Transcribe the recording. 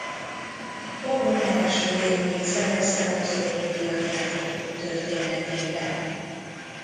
Gabon első érmét szerezte az olimpiai játékok történetében.